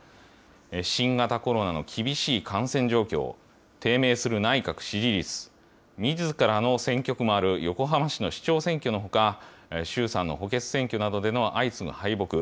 新型コロナの厳しい感染状況、低迷する内閣支持率、みずからの選挙区もある横浜市の市長選挙のほか、衆参の補欠選挙などでの相次ぐ敗北。